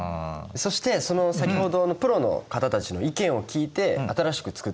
そして先ほどのプロの方たちの意見を聞いて新しく作ったのが右側にございます。